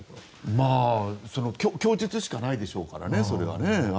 まあ、供述しかないでしょうからね、それはね。